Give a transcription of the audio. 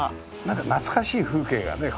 なんか懐かしい風景がね